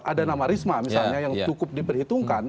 ada nama risma misalnya yang cukup diperhitungkan